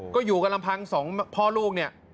ก็อยู่กันลำพังสองพ่อลูกเนี่ย